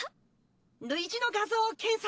類似の画像を検索。